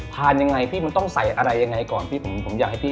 ยังไงพี่มันต้องใส่อะไรยังไงก่อนพี่ผมอยากให้พี่